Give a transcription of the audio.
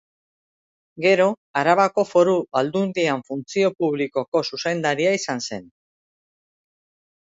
Gero, Arabako Foru Aldundian Funtzio Publikoko zuzendaria izan zen.